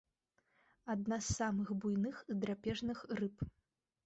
Адна з самых буйных драпежных рыб.